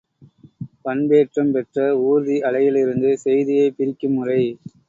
பண்பேற்றம் பெற்ற ஊர்தி அலையிலிருந்து செய்தியைப் பிரிக்கும் முறை.